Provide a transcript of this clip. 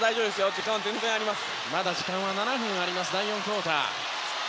時間はあります。